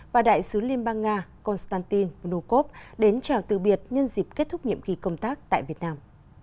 và đại sứ liên bang nga konstantin vnukov đến chào từ biệt nhân dịp kết thúc nhiệm kỳ công tác tại việt nam